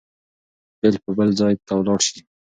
فېلېپ به بل ځای ته ولاړ شي.